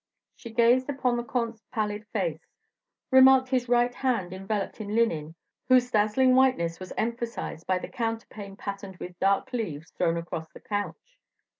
She gazed upon the comte's pallid face; remarked his right hand enveloped in linen whose dazzling whiteness was emphasized by the counterpane patterned with dark leaves thrown across the couch.